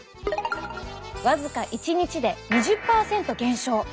僅か１日で２０％減少！